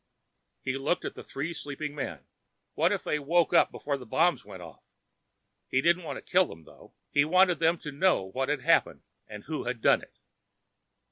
He looked at the three sleeping men. What if they woke up before the bombs went off? He didn't want to kill them though. He wanted them to know what had happened and who had done it.